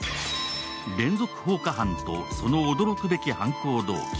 連続放火犯とその驚くべき犯行動機。